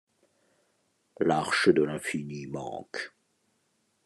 L’arche de l’infini manque.